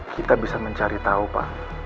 kita bisa mencari tahu pak